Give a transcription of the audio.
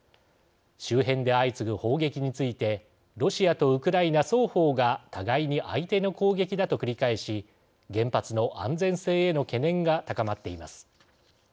周辺で相次ぐ砲撃についてロシアとウクライナ双方が互いに相手の攻撃だと繰り返し原発の安全性への懸念が高まっています。